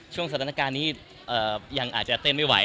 ช่วงอัศวินกรรมยังอาจจะแต่นไม่ไหว